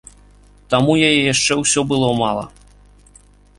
Таму яе яшчэ ўсё было мала.